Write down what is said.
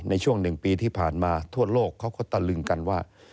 ในช่วง๑ปีที่ผ่านมาทั่วโลกเขาก็ตะลึงกันว่า